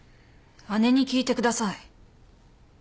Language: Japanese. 姉に聞いてください。